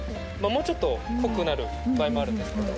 もうちょっと濃くなる場合もあるんですけど。